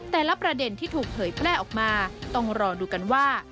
แต่ละประเด็นที่ถูกเผยแพร่ออกมาต้องรอดูกันว่า